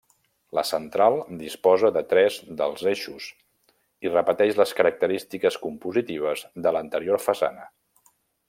La central disposa de tres dels eixos i repeteix les característiques compositives de l'anterior façana.